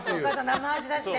生脚出して。